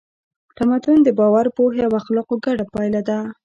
تمدن د باور، پوهې او اخلاقو ګډه پایله ده.